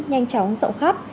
nhanh chóng rộng khắp